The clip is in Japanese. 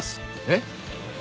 えっ？